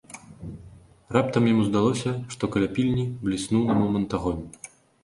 Раптам яму здалося, што каля пільні бліснуў на момант агонь.